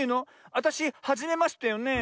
あたしはじめましてよねえ。